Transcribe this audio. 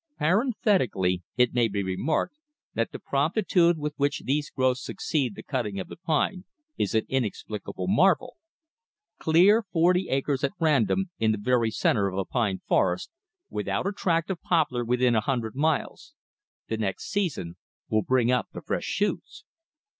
Parenthetically, it may be remarked that the promptitude with which these growths succeed the cutting of the pine is an inexplicable marvel. Clear forty acres at random in the very center of a pine forest, without a tract of poplar within an hundred miles; the next season will bring up the fresh shoots.